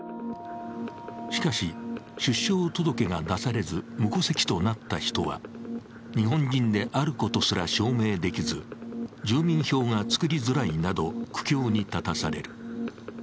しかし、出生届が出されず無戸籍となった人は日本人であることすら証明できず、住民票が作りづらいなど苦境に立たされる。